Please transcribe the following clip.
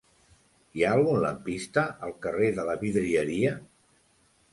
Hi ha algun lampista al carrer de la Vidrieria?